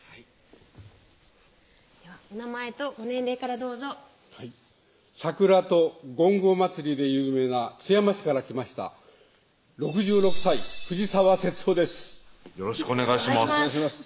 お名前とご年齢からどうぞはい桜とごんごまつりで有名な津山市から来ました６６歳藤澤節男です